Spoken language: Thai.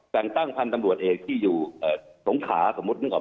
แส่งตั้งพรรณตำรวจเองที่อยู่สมมติสมมตินึกออกไหม